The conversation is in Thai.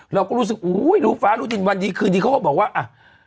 เราก็รู้สึกอุ้ยรู้ฟ้ารู้ดินวันดีคืนดีเขาก็บอกว่าอ่ะ